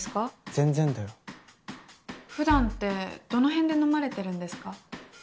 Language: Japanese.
全然だよ。ふだんってどの辺で飲まれてるんですか？